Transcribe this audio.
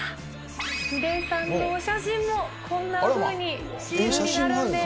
ヒデさんのお写真も、こんなふうにシールになるんです。